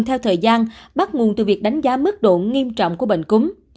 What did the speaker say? theo thời gian bắt nguồn từ việc đánh giá mức độ nghiêm trọng của bệnh cúm